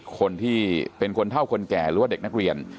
คนที่เป็นคนเท่าคนแก่หรือว่าเด็กนักเรียน